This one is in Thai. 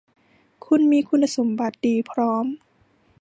มีคุณสมบัติดีพร้อม